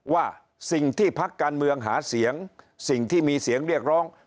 ว่าสิ่งที่พักการเมืองหาเสียงสิ่งที่มีเสียงเรียกร้อง